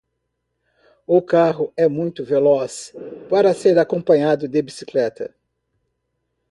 O carro é muito veloz para ser acompanhado de bicicleta.